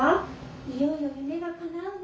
いよいよ夢がかなうね」。